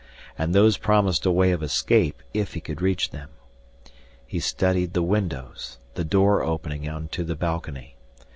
And those promised a way of escape, if he could reach them. He studied the windows, the door opening onto the balcony.